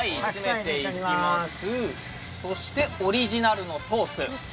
そしてオリジナルのソース。